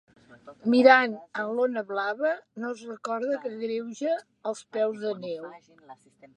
Mirant en l'ona blava, no es recorda que agreuja els peus de neu.